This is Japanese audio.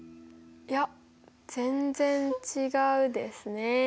いや全然違うですね。